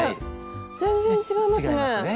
全然違いますね。